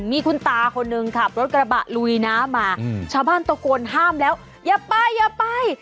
มีคุณตาคนหนึ่งขับรถกระบะลุยน้ำมาชาวบ้านตะโกนห้ามแล้วอย่าไปอย่าไป